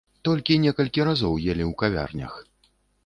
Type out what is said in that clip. Толькі некалькі разоў елі ў кавярнях.